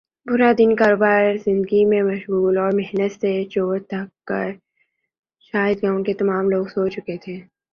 پورا دن کاروبار زندگی میں مشغول اور محنت سے چور تھک کر شاید گاؤں کے تمام لوگ سو چکے تھے